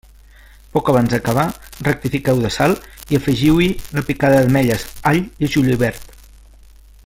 Poc abans d'acabar, rectifiqueu de sal i afegiu-hi la picada d'ametlles, all i julivert.